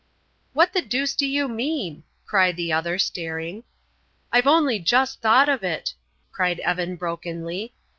"What the deuce do you mean?" asked the other, staring. "I've only just thought of it," cried Evan, brokenly.